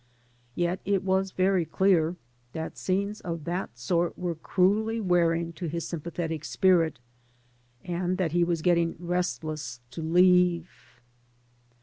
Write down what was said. Yet it was very clear that scenes of that sort were cruelly wearing to his sympathetic spirit, and that he was getting restless to leave.